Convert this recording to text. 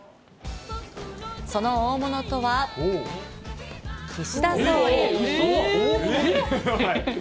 その大物とは、岸田総理。